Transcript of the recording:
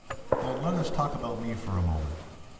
Then let us talk about me for a moment.